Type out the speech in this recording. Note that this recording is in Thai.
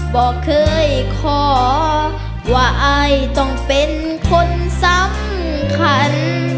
บอกเคยขอว่าอายต้องเป็นคนสำคัญ